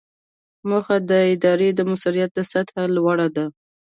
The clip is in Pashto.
موخه د ادارې د مؤثریت د سطحې لوړول دي.